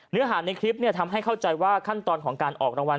เนื้อหาในคลิปทำให้เข้าใจว่าขั้นตอนของการออกรางวัล